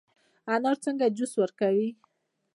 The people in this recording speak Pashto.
انار څنګه جوس ورکوي؟